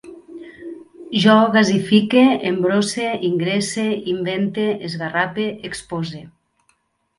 Jo gasifique, embrosse, ingresse, invente, esgarrape, expose